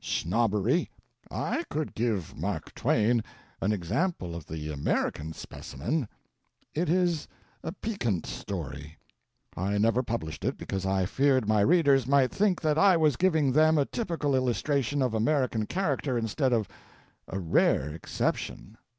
Snobbery.... I could give Mark Twain an example of the American specimen. It is a piquant story. I never published it because I feared my readers might think that I was giving them a typical illustration of American character instead of a rare exception.